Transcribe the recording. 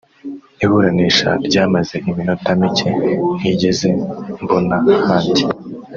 Iburanisha ryamaze iminota mike ntigeze mbona ahandi